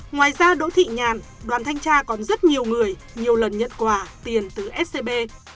ngoài ra đỗ thị nhàn đoàn thanh tra còn rất nhiều người nhiều lần nhận quà tiền từ scb